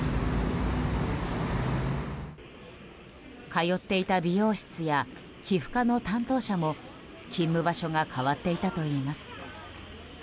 通っていた美容室や皮膚科の担当者も勤務場所が変わっていたといいます。